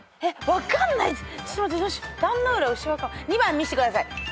２番見してください。